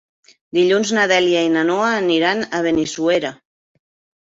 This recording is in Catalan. Dilluns na Dèlia i na Noa aniran a Benissuera.